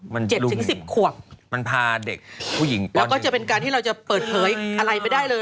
มันลุงมันพาเด็กผู้หญิงป๑๐ความแล้วก็จะเป็นการที่เราจะเปิดเผยอะไรไม่ได้เลย